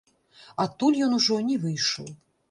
Адтуль ён ужо не выйшаў.